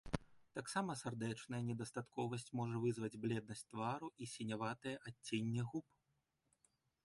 Таксама сардэчная недастатковасць можа вызываць бледнасць твару і сіняватае адценне губ.